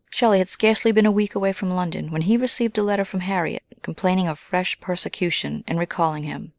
Shelley had scarcely been a week away from London when he received a letter from Harriet, complaining of fresh persecution and recalling him.